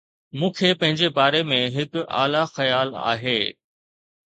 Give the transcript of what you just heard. مون کي پنهنجي باري ۾ هڪ اعلي خيال آهي